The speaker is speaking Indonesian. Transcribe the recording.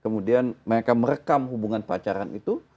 kemudian mereka merekam hubungan pacaran itu